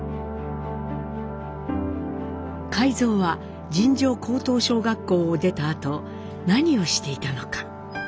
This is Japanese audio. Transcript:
海蔵は尋常高等小学校を出たあと何をしていたのか。